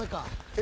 え！？